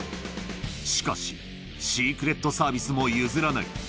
しかし、シークレットサービスも譲らない。